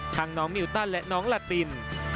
น้องมิวตันและน้องลาติน